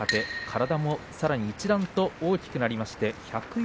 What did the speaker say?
体も、さらに一段と大きくなりました。